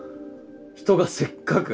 人がせっかく。